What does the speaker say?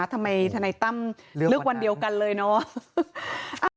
ทนายตั้มเลือกวันเดียวกันเลยเนาะ